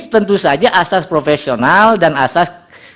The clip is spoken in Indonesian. tentu saja asas profesional dan asas